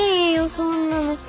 そんなの。